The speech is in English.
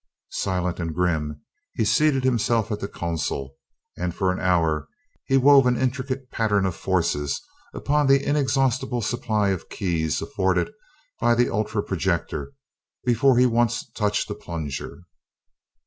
Silent and grim, he seated himself at the console, and for an hour he wove an intricate pattern of forces upon the inexhaustible supply of keys afforded by the ultra projector before he once touched a plunger.